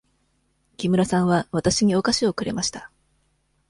木村さんはわたしにお菓子をくれました。